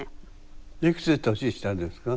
いくつ年下ですか？